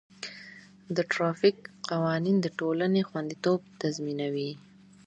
د ټرافیک قوانین د ټولنې خوندیتوب تضمینوي.